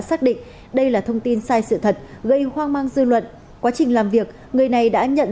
xác định đây là thông tin sai sự thật gây hoang mang dư luận quá trình làm việc người này đã nhận